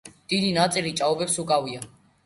დიდი ნაწილი ჭაობებს უკავია.